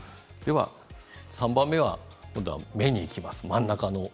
３番目は目にいきます。